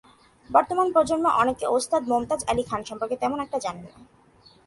বর্তমান প্রজন্মের অনেকে ওস্তাদ মোমতাজ আলী খান সম্পর্কে তেমন একটা জানেন না।